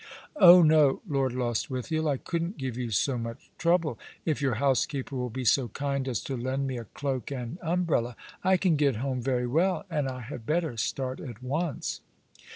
" Oh no, Lord Lostwithiel, I couldn't give you so much trouble. If your housekeeper will be so kind as to lend me a cloak and umbrella, I can get home very well. And I had better start at once."